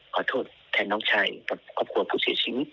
ขอโทษแทนน้องชายกับครอบครัวผู้เสียชีวิต